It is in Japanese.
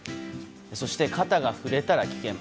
そして、肩が触れたら危険。